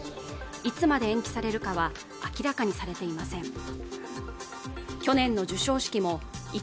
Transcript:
いつまで延期されるかは明らかにされていません